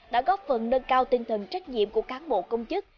đã góp phần nâng cao tinh thần trách nhiệm của cán bộ công chức